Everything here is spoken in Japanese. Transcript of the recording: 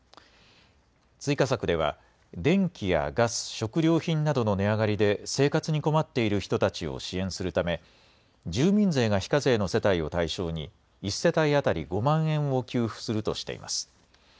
追加策では、電気やガス、食料品などの値上がりで生活に困っている人たちを支援するため、住民税が非課税の世帯を対象に、１世帯当たり５万円を給付するとしています。